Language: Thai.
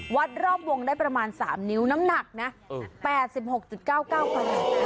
วัดรอบวงได้ประมาณ๓นิ้วน้ำหนักนะ๘๖๙๙กระโหล